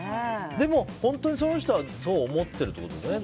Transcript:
でも本当にその人はそう思ってるってことですよね。